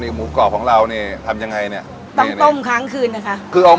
หมูกรอบของเรานี่ทำยังไงเนี่ย